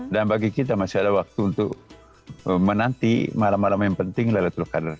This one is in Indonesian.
dan bagi kita masih ada waktu untuk menanti malam malam yang penting lalu tuluh kadar